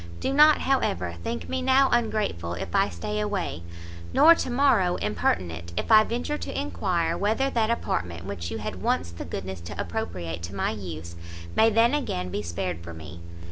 Do not, however, think me now ungrateful if I stay away, nor to morrow impertinent, if I venture to enquire whether that apartment which you had once the goodness to appropriate to my use, may then again be spared for me!